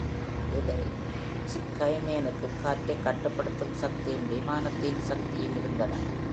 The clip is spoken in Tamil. இந்த ஸ்கைமேனுக்கு காற்றைக் கட்டுப்படுத்தும் சக்தியும், விமானத்தின் சக்தியும் இருந்தன.